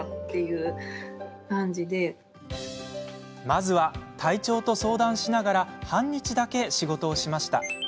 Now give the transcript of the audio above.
まずは、体調と相談しながら半日だけ仕事をしました。